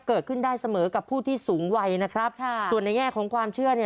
เกิดขึ้นได้เสมอกับผู้ที่สูงวัยนะครับค่ะส่วนในแง่ของความเชื่อเนี่ย